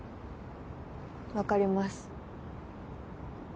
わかります。